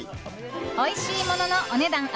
おいしいもののお値段